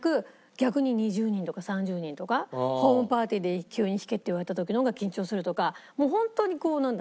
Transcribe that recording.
逆に２０人とか３０人とかホームパーティーで急に「弾け」って言われた時の方が緊張するとかもう本当にこうなんだ？